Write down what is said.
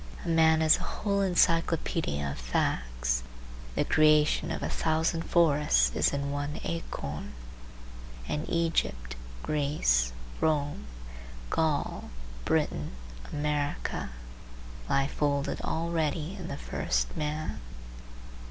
A man is the whole encyclopaedia of facts. The creation of a thousand forests is in one acorn, and Egypt, Greece, Rome, Gaul, Britain, America, lie folded already in the first man.